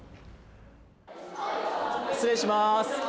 失礼します。